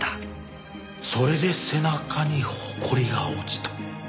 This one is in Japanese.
それで背中にホコリが落ちた。